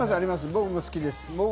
僕も好きです。